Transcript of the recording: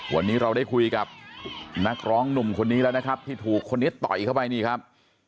วันนี้เราได้คุยกับนักร้องหนุ่มคนนี้แล้วนะครับที่ถูกคนนี้ต่อยเข้าไปนี่ครับ